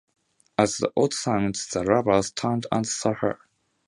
At the odd sound, the lovers turned and saw her.